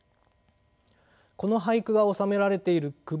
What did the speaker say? この俳句が収められている句